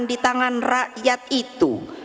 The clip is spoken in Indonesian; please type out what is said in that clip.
di tangan rakyat itu